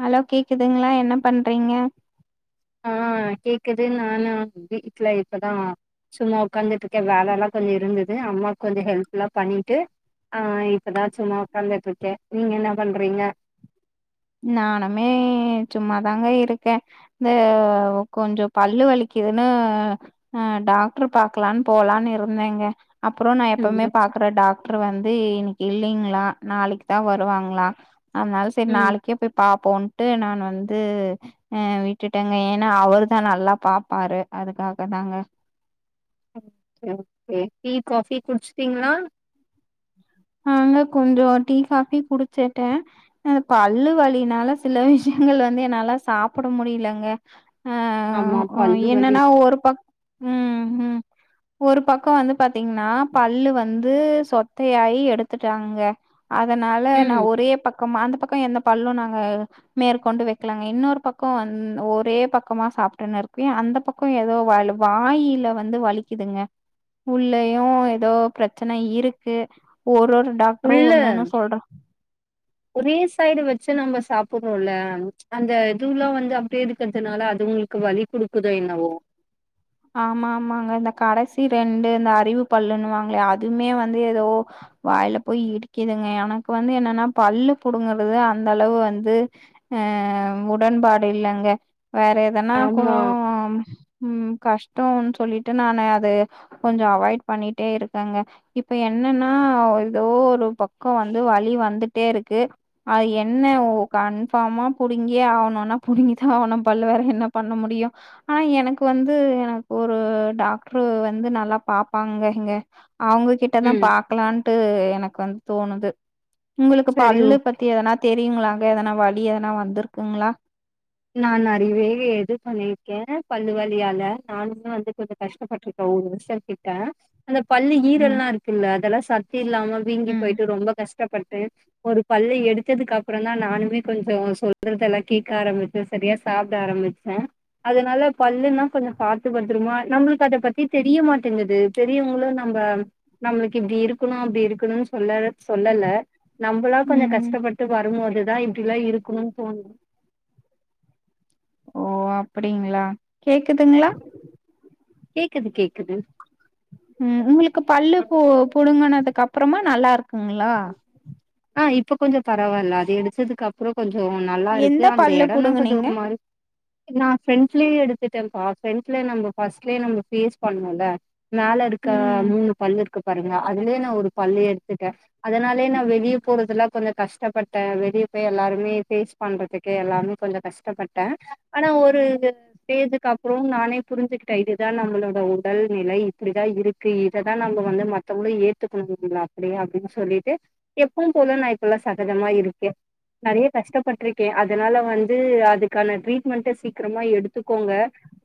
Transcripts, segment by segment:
Hello கேக்குதுங்ளா என்ன பண்றீங்க ஆ கேக்குது நானு வீட்ல இப்பதா சும்மா உக்காந்துட்டு இருக்கே வேல எல்லா கொஞ்சோ இருந்தது அம்மாக்கு கொஞ்சோ ஹெல்பெல்லா பண்ணிட்டு ஆ இப்பதா சும்மா உக்காந்துட்டு இருக்கே நீங்க என்ன பண்றீங்க நானுமே சும்மாதாங்க இருக்கே இது கொஞ்சோ பல்லு வலிக்குதுன்னு ஆ டாக்டரு பாக்கலான்னு போகலான்னு இருந்தேங்க அப்றோ நா ம் எப்பவுமே ஓகே. பாக்குற டாக் ட்ரு வந்து இன்னிக்கு இல்லிங்ளா நாளிக்கு தா வருவாங்களா அதனால செரி ம் நாளைக் க்கே போய் பாப்போன்ட்டு நா வந்து ஆ விட்டுட்டங்க ஏன்னா அவரு தா நல்லா பாப்பாரு அதுக்காக தாங்க டீ காபி குடிச்சீங்களா ஆங்க கொஞ்சோ டீ காபி குடிச்சிட்டே ஆ பல்லு வலினால சில விஷயங்கள் வந்து என்னால சாப்பிட முடிலங்க ஆ ஆமா பல்லு வலி என்னன்னா ஒரு பக் ம் ம் ஒரு பக்கோ வந்து பாத்தீங்கன்னா பல்லு வந்து சொத்தையாய் எடுத்துட்டாங்க அதனால நா ம் ஒரே பக்கம அந்த பக்கோ எந்த பல்லு நாங்க மேற்கொண்டு வைக்கலாங்க இன்னொரு பக்கோ வந் ஒரே பக்கமா சாப்பிட்டுன்னு இருக்கு அந்த பக் க்கு ஏதோ வாயி வாயில வந்து வலிக்குதுங்க உள்ளயு ஏதோ பிரச்சன இருக்கு ஒரு ஒரு டாக்டரு உள்ள ஒன்னு ஒன்னு சொல் ஒரே சைடு வெச்சு நம்ம சாப்ட்டுறோல்ல அந்த இதுல்லா வந்து அப்டியே இருக்கிறதுனால அது உங்களுக்கு வலி குடுக்குதோ என்னவோ ஆமாம்மாங்க இந்த கடைசி ரெண்டு இந்த அறிவு பல்லுன்னுவாங்களோ அதுமே வந்து ஏதோ வாயில போய் இடிக்குதுங்க எனக்கு வந்து என்னன்னா பல்லு புடுங்கறது அந்த அளவு வந்து ஆ உடன்பாடு இல்லங்க வேற எதனா கூட ஆமா ம் கஷ்டோனு சொல்லிட்டு நானு அது கொஞ்சோ அவாய்ட் பண்ணிட்டே இருக்கேங்க இப்ப என்னன்னா ஏதோ ஒரு பக்கோ வந்து வழி வந்துட்டே இருக்கு அது என்ன ஒ கன்ஃபார்மா புடுங்கியே ஆவனுன்னா புடுங்கிதா ஆவனு பல்லு வேற என்ன பண்ண முடியு ஆனா எனக்கு வந் து எனக்கு ஒரு டாக்டரு வந்து நல்லா பாப்பாங்க இங்க அவங்க கிட் ட்ட தா ம் பாக்கலாட்டு எனக்கு வந்து தோணுது உங்களுக்கு சரி ஓ பல்லு பத் எதனா தெரியுங்களாங்க எதனா வலி எதனா வந்துருக்குங்களா நா நெறையவே இது பண்ணிருக்கே பல்லுவலியால நானுமே வந்து கொஞ்சோ கஷ்டப்பட்டு ஓரு வர்ஷோ கிட்ட அந்த பல்லு ம், ஈரல்லா இருக் கில்ல அதெல்லாம் சத்தி இல்லாம வீங்கி ம். போய்ட்டு ரொம்ப கஷ்டப்பட்டு ஒரு பல்ல எடுத்ததுக்கு அப்றன்தா நானுமே கொஞ்சோ சொல்றதெல்லா கேக்க ஆரம்பி து சரியா சாப்ட ஆரம்பிச்சே அதனால பல்லுன்னா கொஞ்சோ பாத்து பத்தறமா நம்மள்க்கு அத பத்தி தெரிய மாட்டேங்குது பெரியவங்ளு நம்ப நம்மளுக்கு இப்டி இருக்கணு அப்டி இருக்கணு சொல்லவே சொல்லல நம்பளா கொஞ்சொ ம். கஷ்டப்பட்டு வருமோதுதா இப்டிலா இருக்கு தோண் ஓ அப்படிங்ளா கேக்குதுங்ளா கேக்குது கேக்குது ம் உங்களுக்கு பல்லு போ புடுங்கனதுக்கப்றமா நல்லா இருக்குங்களா அ இப்ப கொஞ்சோ பரவால்ல அது எடுத்ததுக்கு அப் அப்றோ கொஞ்சோ நல்லாருக்கு எந்த அந்த பல்லு எடோன்னா கொஞ்சோ புடுங்குனீங்க? ஒரு மாரி நா ஃப்ரெண்ஸ்லியே எடுத்துட்டே பா ஃப்ரெண்ட்ல நம்ம ஃபஸ்ட்லே நம்ம பேஸ் பண்ணு ல மேலருக்கா ம். மூணு பல்லுருக்கு பாருங்க அதுலே நா ஒரு பல்லே எடுத்துட்டே அதனாலே நா வெளிய போறதுல கொஞ்ச கஷ்டப்பட்டே வெளிய போய் எல்லாருமே பேஸ் பண்றதுக்கே எல்லாமே கொஞ்சோ கஷ்டப்பட்டே ஆனா ஒரு எ ஸ்டேஜுக்கப்றோ நானே புரிஞ்சிக்ட்டே இதுதா நம்மளோட உடல் நிலை இப்டிதா இருக் க்கு இதுதா நம்ம வந்து மத்தவ்ளு ஏத்துக்கணுங்கள அப்படியே அப்டின்னு சொ சொல்லிட்டே எப்பவும் போல நா இப்பல்லா சகஜமா இருக்கே நறையா கஷ்டப்பட்ருக்கே அதனால வந்து அதுக்கான ட்ரீட்மெண்ட்ட சீக்கிரமா எடுத்துக்கோங்க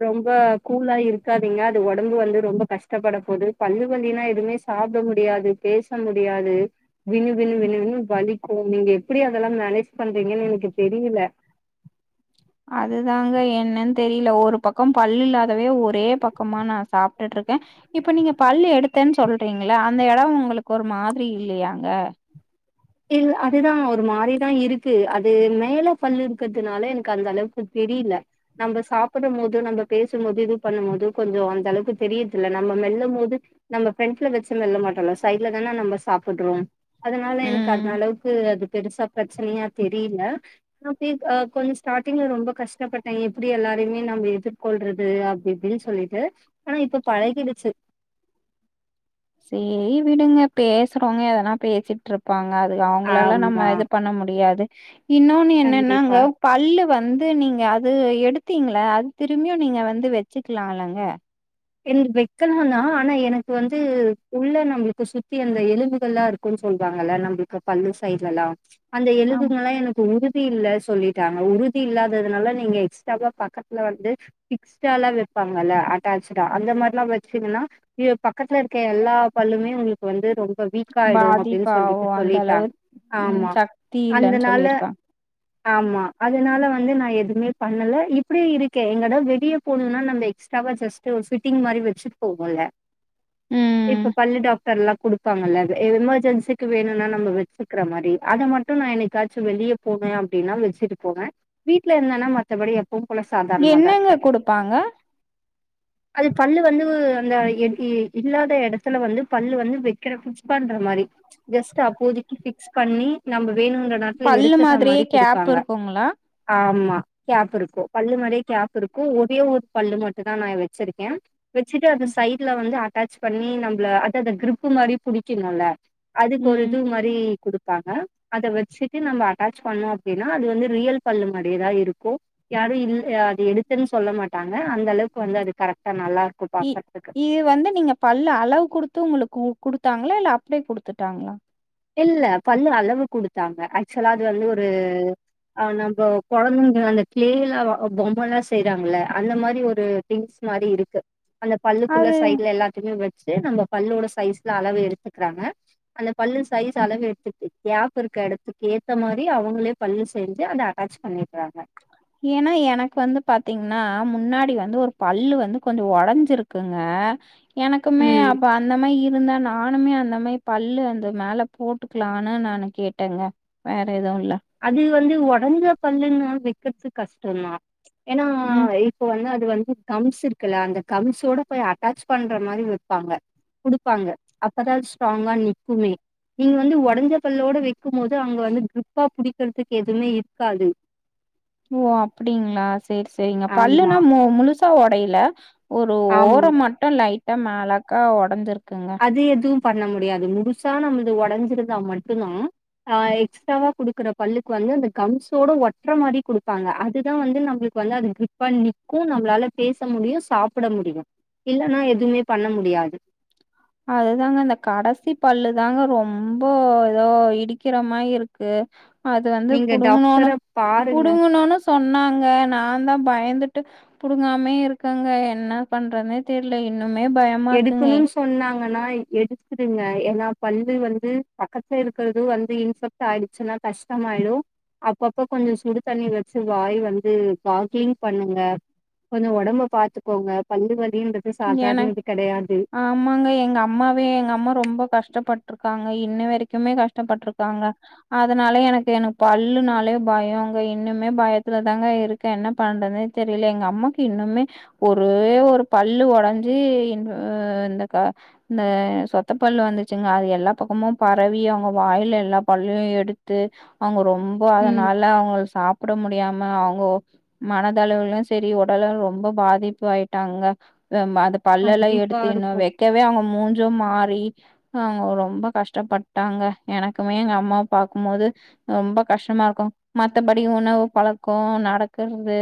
ரொம்ப கூலா இருக்காதீங்க அது ஒடம்பு வந்து ரொம்ப கஷ்டப்பட போது பல்லு வலினா எதுமேஸ் சாப்ட முடியாது பேச முடியாதே வின்னு வின்னு வின்னு வின்னு வலிக்கு நீங்க எப்படி அதெல்லா மேனேஜ் பண்றீங்கன் எனக்கு தெரியில அதுதாங்க என்னன் தெரில ஒரு பக்கம் பல்லு இல்லாதவே ஒரே பக்கமா நா சாப்பிட்டுட்ருக்கே இப்ப நீங்க பல்லு எடுத்தன் சொல்றீங்களா அந்த எடம் உங்களுக் ஒரு மாதிரி இல்லையாங்க இல் அதுதா ஒரு மாரிதா இருக்கு அது மேல பல்லு இருக்குத்துனால எனக்கு அந்த அளவுக்கு தெரீல நம்ப சாப்புடும் போது நம்ம பேசும் போது இது பண்ணும் போது கொஞ்சோ அந்த அளவுக்கு தெரியிர்துல்ல நம்ம மெல்லமோது நம்ம ஃப்ரண்ட்ல வச்சு மெல்ல மாட்டோல சைட்ல தான நம்ப சாப்புட்றோம் அதனால எனக்கு ம். அந்த அளவுக்கு அது பெருசா ப்ரச்சனையா தெரீல அப்றோ பீர்க்கா கொஞ்சொ ஸ்டாட்டிங்ல ரொம்ப கஷ்டப்பட்டே எப்டி எல்லாரையுமே நாம எதிர்கொள்றது அப்பிப் பில் சொல்லிட்டு ஆனா இப்ப பழகிடுச்சு சேய் விடுங்க பேசுறோங்க எதனா பேசிப் ட்ருப்பாங்க அது அவங்களல்லா ஆமா நம்ம இது பண்ண முடியாது இன்னொன்னு கண்டிப்பா. என்னன்னாங்கவ் பல்லு வந்து நீங்க அது எடுத்தீங்ள அது திரும்பியு நீங்க வந்து வெச்சுக்லா இல்லங்க ரெண்டு வெக்கனுனா ஆனா எனக்கு வந்து உள்ள நம்மளுக்கு சுத்தி அந்த எலும்புகள்லா இரு குன் சொல்லாங்கல்ல நம்பள்க்கு பல்லு சைட்லல்லா அந்த ஆம் எலும்புங்கலா எனக் உறுதி இல்ல சொல்லிட்டாங்க உறுதி இல்லாததுனால நீங்க எக்ஸ்ட்ராவா பக்கத்துல வந்து ஃபிக்ஸ்டாலா வெப்பாங்கல்ல அட்டாச் ரா அந்த மாரிலா வச்சீங்கன்னா இய பக்கத்துல இருக்க எல்லா பல்லுமே உங்ளுக் வந்து ரொம்ப வீக் ஆய்டு அப்டின் பாதிப்பாவு சொல்லிட்டு அந்த அளவு சொல்லிட்டாங் ம் ஆமா சக்தி இல்லன்னு அந்தனால சொல்லிருக்காங்க. ஆமா அதனால வந்து நா எதுமே பண்ணல இப்டியே இருக்கே எங்கடா வெளிய போணுன்னா நம்பய் ஸ்டபாஸஸ்ட்டு ஃபிட்டிங் மாரி வச்சிட் போகுல ம். இப்பு பல்லு டாக் தெர்லாக் குடுப்பாங்கல்ல அது எமர்ஜென்சிக்கு வேணுனா நாம வெச்சுக்ற மாரி அத மட்டு நா என்னிக்காச்சு வெளியப் போவே அப்டின்னா வெச்சுட்டு போவே வீட்ல இருந்தன்னா மத்தபடி எப் பொம்பள சா என்னங்க குடுப்பாங்க அது பல்லு வந்து அந்த இல்லாத இடத்துல வந்து பல்லு வந்து வைக்கிற ஃபிக்ஸ் பண்ற மாரி ஜஸ்ட் அப்போதைக்கு பிக்ஸ் பண்ணி நம்ம வேணுன்ற நேரத்துல பல்லு எடுத்துற மாதிரியே மாரி கேப் குடுப்பாங்க இருக்குங்களா ஆமா கேப் இருக்கும் பல்லு மாரியே கேப் இருக்கும் ஒரே ஒரு பல்லு மட்டும் தா நா வச் சிருக்க வச்சுட்டு அந்த ம் சைட்ல வந்து அட்டச் பண்ணி நம்மள அத அந்த கிரிப் மாரி புடிக்கணுல அதுக்கு ஒரு ம் இது மாரி குடுப்பாங்க அத வச்சுட்டு நம்ம அட்டச் பண்ணோ அப்படின்னா அது வந்து ரியல் பல்லு மாரியே தா இருக்கும் யாரு இல் அது இருக்குன் சொல்ல மாட்டாங்க அந்த அளவுக்கு வந்து அது கரெக்டா நல்லா இருக்கும் இ பாக்கறதுக்கு. இது வந்து நீங்க பல்லு அளவு குடுத்து உங்களுக்கு குடுத்தாங்களா இல்ல அப்படியே குடுத்துட்டாங்களா இல்ல பல்லு அளவு குடுத்தாங்க ஆக்சுவலா அது வந்து ஒரு ஆ நம்ப குழந்தைங்க அந்த கிளேல பொம்மல்லா செய்யுறாங்கள அந்த மாரி ஒரு திங்ஸ் மாரி இருக்கு அந்த பல்லுக்குள்ள அது சைட்ல எல்லாத்தையுமே வச்சு நம்ம பல்லோட சைஸ்ல அளவு எடுத்துக்குறாங்க அந்த பல்லு சைஸ் அளவு எடுத்துகிட்டு கேப் இருக்குற இடத்துக்கு ஏத்த மாரி அவுங்களே பல் செஞ்சு அத அட்டச் பண்ணிடுறாங்க ஏன்னா எனக்கு வந்து பாத்தீங்கன்னா முன்னாடி வந்து ஒரு பல்லு வந்து கொஞ்சோ ஒடஞ்சிருக்கு க்குங்க எனக்குமே ம் அப்ப அந்த மாரி இருந்தா நானுமே அந்த மாரி பல்லு அந்த மேல போட்டுக்கலான்னு நானு கேட்டங்க வேற ஏதுவு இல்ல அது வந்து ஒடஞ்ச பல்லு ன் வைக்குறது கஷ்டந்தா ஏன்னா ம் இப்ப வந்து அது வந்து கம்ஸ் இருக்குல்ல அந்த கம்ஸோட போய் அட்டச் பண்ற மாரி வப்பாங்க குடுப்பாங்க அப்பதா அது ஸ்ட்ராங்கா நிக்குமே நீ வந்து ஒடஞ்ச பல்லோட வைக்கும்போது அங்க வந்து கிப்பா புடிக்கிறதுக்கு எதுவுமே இருக்காது ஓ அப்புடிங்களா செரி சேரிங்க பல்லு ஆமா இன்னு முழுசா ஒடையல ஒரு ஆம் ஓரம் மட்டு லைட்டா மேலாக்கா ஒடஞ்சிருக்குங்க அது எதுவு பண்ண முடியாது முழுசா நம்மள்து உடஞ்சிருந்தா மட்டுதா ஆ எக்ஸ்ட்ராவா குடுக்குற பல்லுக்கு வந்து அந்த கம்ஸோட ஒட்டுற மாரி குடுப்பாங்க அதுதா வந்து நம்மளுக்கு வந்து அது கிப்பா நிக்கு நம்மளால பேச முடியு சாப்பிட முடியு இல்லன்னா எதுவுமே பண்ண முடியாது அதுதாங்க இந்த கடைசி பல்லு தாங்க ரொம்ப ஏதோ இடிக்கிற மாரி இருக் கு அது வந்து நீங்க புடுங்குனோன டாக்டர பாருங்க புடுங்குனோன சொன்னாங்க நா தா பயந்துட்டு புடுங்காமே இருக்கங்க என்ன பண்றதுன்னே தெரிலே இன்னுமே பயமா இருக்குங்க எடுக்கணும்னு சொன்னாங்கன்னா எடுத்துடுங்க ஏன்னா பல்லு வந்து பக்கத்துல இருக்குறது வந்து இன்ஃபெக் டாயிடுச்சுன்னா கஷ்டமாயிடும் அப்பப்ப கொஞ்சோ சுடு தண்ணி வச்சு வாய் வந்து காக்லிங் பண்ணுங்க கொஞ்சோ உடம்ப பாத்துக்கோங்க பல்லு வலின்றது என சாதாரணது கெடையாது ஆமாங்க எங்க அம்மாவே எங்க அம்மா ரொம்ப கஷ்டப்பட்டு க்காங்க இன்ன வரைக்குமே கஷ்டப்பட்டுருக்காங்க அதனாலே எனக்கு எனக்கு பல்லுனாலே பயம்ங்க இன்னுமே பயத்துல தாங்க இருக் க என்ன பண்றதுன்னே தெரியல எங்க அம்மாக்கு இன்னுமே ஒரே ஒரு பல் லு ஒடஞ்சி இந்த இந்த சொத்த பல்லு வந்துச்சுங்க அது எல்லா பக்கமும் பரவி அவுங்க வாயில எல்லா பல்லையு எடுத்து அவுங்க ரொம்ப ம் அதனால அவங்க சாப் கூட முடியாம அவுங்கோ மனதளவுலு செரி ஒடலு ரொம்ப பாதிப்பு ஆய்ட்டாங்க ரிம்மா அந்த பல்லெல்லா கண்டிப்பா எடுத்து இன்னு இருக்கு வெக்கவே அவுங்க மூஞ்சு மாறி அவுங்க ரொம்ப கஷ்டப்பட்டாங்க எனக்குமே எங் அம்மாவ பாக்குமோது ரொம்ப கஷ்டமா இருக்கு மத்தபடி உணவு பழக்கோ நடக்கற்து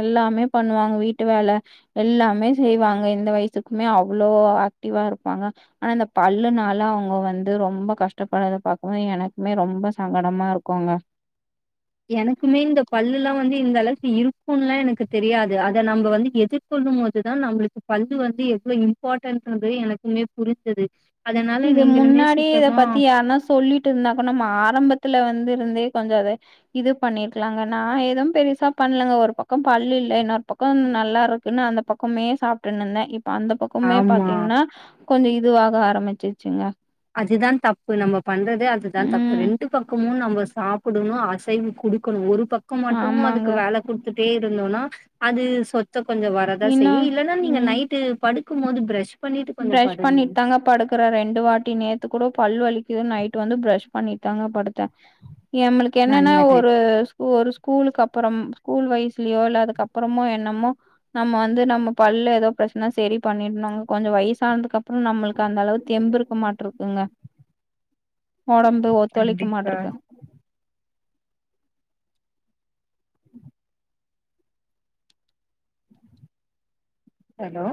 எல்லாமே பண்ணுவாங்க வீட்டு வேல எல்லாமே செய்வாங்க இந்த வய்சுக்குமே அவ்ளோ ஆக்டிவா இருப்பாங்க ஆனா இந்த பல்லுனால அவுங்க வந்து ரொம்ப கஷ்டப்பட்றத பாக்கவு எனக்குமே ரொம்ப சங்கடமா இருக்குங்க எனக்குமே இந்த பல்லுல்லா வந்து இந்தளவுக்கு இருக்குன்லா எனக்கு தெரியாது அத நம்ப வந்து எதிர் கொள்ளும்மோதுதா நம்பளுக்கு பல் வந்து எவ்ளோ இம்பாட்டன்றது எனக்குமே புரிஞ்சது அதனால இது நீங்களுமே முன்னாடியே இத சீக்கிரமா பத்தி யார்னா சொல்லிட் ருந்தா கூட நம்ம ஆரம்பத்துல வந்து இருந்தே கொஞ்சோ அத இது பண்ணீர்க்கலாங்க நா எது பெருசா பண்லங்க ஒரு பக் கோ பல்லில்ல இன்னோர் பக்கோ நல்லாருக்குன்னு அந்த பக்கமே சாப்ட்ருனுந்தே இப்ப அந்த பக் கோமே ஆமா பாத்தீங்கன்னா கொஞ்ச இதுவாக ஆரம்பிச்சிருச்சுங்க அதுதா தப்பு நம்ம பண்றதே அதுதா தப்பு ம் ரெண்டு பக்கமு நம்ம சாப் புடுணு அசைவு குடுக்கணு ஒரு பக்கோ மட்டு ஆமாங்க அதுக்கு வேல குட்த்துட்டே இருந்தோன்னா அது சொத்த கொஞ்ச வரதா இன்னு செய்யு இல்லன்னா நீங்க நைட்டு படு க்கும்போது ப்ரஷ் ப்ரஷ் பண்ணீட் தாங்க படுக் கற ரெண்டு வாட்டி நேத்து கூட பல் வலிக்குதுன் நைட் வந்து ப்ரஷ் பண்ணீட் தாங்க படுத்தே எம்மளுக் என்னன்னா நல்லது ஒரு ஒரு ஸ்கூலுக்கப்பறம் ஸ்கூல் வய்ஸ்லியோ இல்ல அதுக்கப்பறமோ என்னமோ நம்ம வந்து நம்ம பல்ல எதோ பிரச்ன்னா செரி பண்ணீர்னுங்க கொஞ்ச வய்சான்துக்கப்பறோ நம்மளுக் அந்தளவு தெம்பிருக்கு மாட்ருக்குங்க ஒடம்பு ஒத்தொழைக்கு கண்டிப்பா மாட்ருக்கு ஹலோ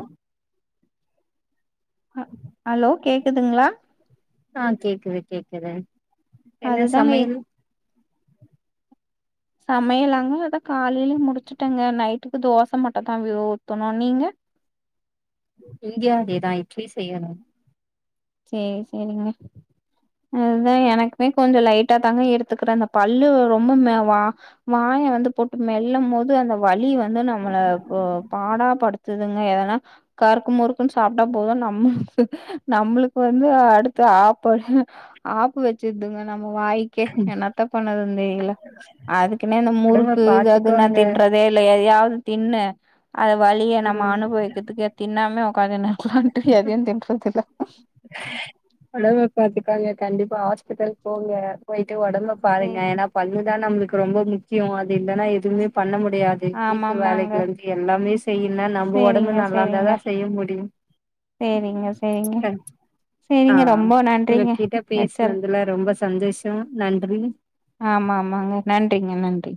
அ அலோ கேக்குதுங்ளா ஆ கேக்குது கேக்குது என்ன அதுதாங்க சமையல் சமையலாங்க அதா காலைலே முடிச்சிட்டங்க நைட்டுக்கு தோச மட்டுந்தா போய் ஊத்தணு நீங்க இங்யு அதேதா இட்லி செய்யணு சேரி சேரிங்க அது தா எனக்குமே கொஞ்ச லைட்டா தாங்க எடுத்துக்கிற அந்த பல்லு ரொம்ப மே வா வாய வந்து போட்டு மெல்லம்மோது அந்த வலி வந்து நம்மள இப்போ பாடா படு த்துதுங்க எதனா கருக்கு முறுக்குன்னு சாப்ட்டா போது நம்ம நம்மளுக் வந்து அடுத்த ஆப்ப ஆப்பு வெச்சிர்துங்க நம்ம வாய் க்கே என்னத்தா பண்ணறதுன் தெரில அதுக்குன்னே இந்த ஒடம்ப முறுக்கு எது நா பாத்துக்கோங்க தின்றதே இல்ல எதையாவ்து தின்னு அத வலிய நம்ம ம் அனுபவிக்கிற்துக்கு தின்னாமே ஒக்காந்துனு இருக்கலான்ட்டு எதையு தின்றதில்ல ஒடம்ப பாத்துக்கோங்க கண்டிப்பா ஹாஸ்பிட்டல் போங்க போய்ட்டு ஒடம்ப பாருங்க சேரி. ஏனா பல்லுதா நம்மளுக்கு ரொம்ப முக்கியோ அது இல்லன்னா எதுமே பண்ண முடியா து வீட்டு ஆமாமாங்க. வேலைகள்ருந்து எல்லாமே செய்யுன்னா நம்ப ஒடம்பு சேரிங்க, சேரிங்க. நல்லார்ந்தாதா செய்ய முடியு சேரிங்க சேரிங்க ஆ சேரிங்க ரொம்ப நன்றிங்க உங்ககிட்ட வச்சர் பேஸ்னதுல ரொம்ப சந்தோஷோ நன்றி ஆமா ஆமாங்க நன்றிங்க நன்றி